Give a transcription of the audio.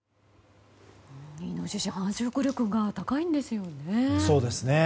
イノシシ繁殖力が高いんですよね。